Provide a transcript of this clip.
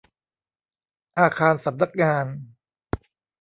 อาคารสำนักงาน